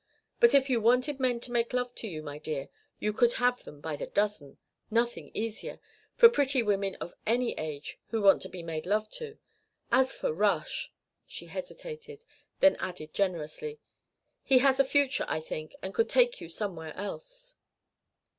But if you wanted men to make love to you, my dear, you could have them by the dozen. Nothing easier for pretty women of any age who want to be made love to. As for Rush " She hesitated, then added generously, "he has a future, I think, and could take you somewhere else."